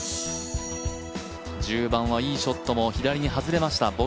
１０番はいいショットも外れました